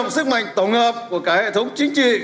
sức mạnh tổng hợp của cả hệ thống chính trị